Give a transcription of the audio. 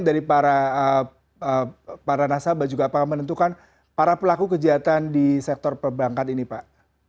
dari para nasabah juga apakah menentukan para pelaku kejahatan di sektor perbankan ini pak